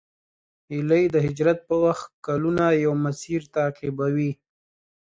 هیلۍ د هجرت په وخت کلونه یو مسیر تعقیبوي